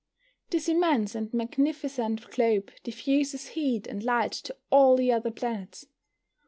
This immense and magnificent globe diffuses heat and light to all the other planets.